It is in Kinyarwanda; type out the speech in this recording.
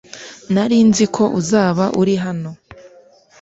Nari nzi ko uzaba uri hano .